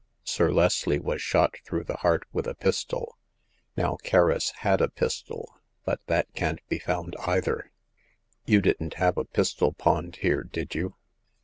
Sir Leslie was shot through the heart with a pistol. Now, Kerris had a pistol, but that can't be found either. You didn't have a pistol pawned here, did you